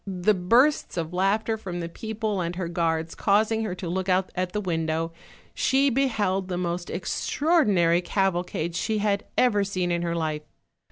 The bursts of laughter from the people and her guards causing her to look out at the window, she beheld the most extraordinary caval cade she had ever seen in her life.